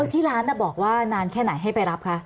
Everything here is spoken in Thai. ที่ร้านบอกว่านานแค่ไหนให้ไปรับคะ